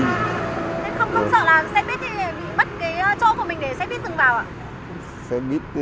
không sợ là xe bít thì bắt chỗ của mình để xe bít rừng vào